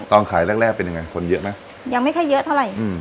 ขายแรกแรกเป็นยังไงคนเยอะไหมยังไม่ค่อยเยอะเท่าไหร่อืม